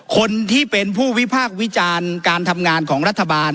คนที่เป็นผู้วิพากษ์วิจารณ์การทำงานของรัฐบาล